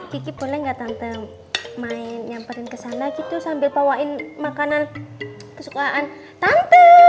kiki boleh nggak tante main nyamperin kesana gitu sambil bawain makanan kesukaan tante